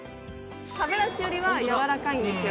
歯ブラシよりはやわらかいんですよ